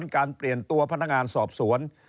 การเปลี่ยนตัวพนักงานสอบสวน